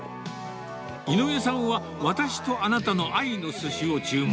井上さんは私と貴方の愛の鮨を注文。